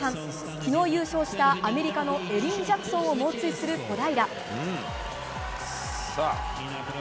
昨日、優勝したアメリカのエリン・ジャクソンを猛追する小平。